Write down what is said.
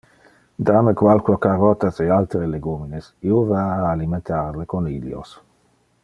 Dar me qualque carotas e altere legumines, io va a alimentar le conilios.